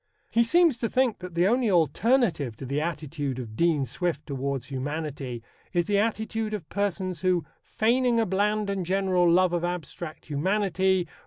He seems to think that the only alternative to the attitude of Dean Swift towards humanity is the attitude of persons who, "feigning a bland and general love of abtract humanity